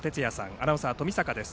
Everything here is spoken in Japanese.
アナウンサーは冨坂です。